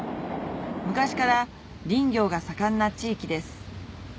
昔から林業が盛んな地域です